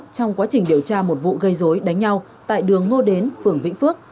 trong quá trình điều tra một vụ gây dối đánh nhau tại đường ngô đến phường vĩnh phước